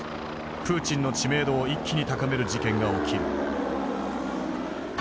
プーチンの知名度を一気に高める事件が起きる。